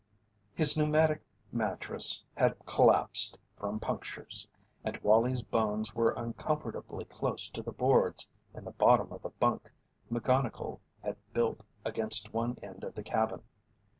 His pneumatic mattress had collapsed from punctures, and Wallie's bones were uncomfortably close to the boards in the bottom of the bunk McGonnigle had built against one end of the cabin.